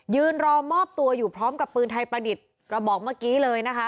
ยืนรอมอบตัวอยู่พร้อมกับปืนไทยประดิษฐ์กระบอกเมื่อกี้เลยนะคะ